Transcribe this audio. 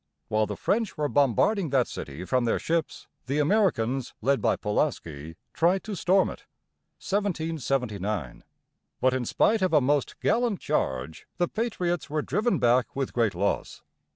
While the French were bombarding that city from their ships, the Americans, led by Pulaski, tried to storm it (1779). But in spite of a most gallant charge, the patriots were driven back with great loss.